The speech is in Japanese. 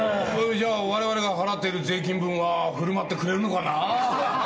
じゃあ我々が払っている税金分は振る舞ってくれるのかな？